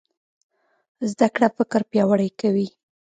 زده کړه فکر پیاوړی کوي.